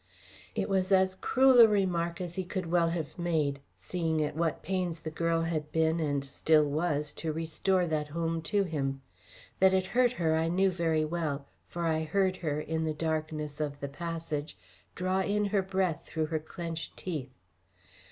It was as cruel a remark as he could well have made, seeing at what pains the girl had been, and still was, to restore that home to him. That it hurt her I knew very well, for I heard her, in the darkness of the passage, draw in her breath through her clenched teeth.